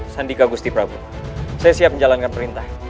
sandika gusti prabu saya siap menjalankan perintah